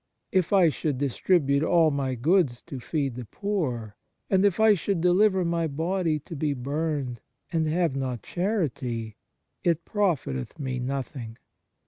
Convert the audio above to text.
" If I should distribute all my goods to feed the poor, and if I should deliver my body to be burned, and have not charity, it profketh me nothing."